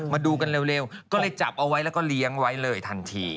มาดูกันเร็วก็เลยจับเอาไว้แล้วก็เลี้ยงไว้เลยทันที